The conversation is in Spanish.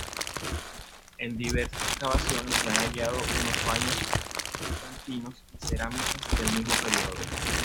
En diversas excavaciones se han hallado unos baños bizantinos y cerámica del mismo periodo.